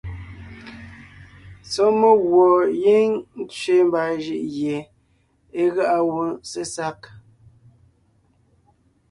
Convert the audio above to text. Sɔ́ meguɔ gíŋ tsẅe mbaa jʉʼ gie é gáʼa wó sesag.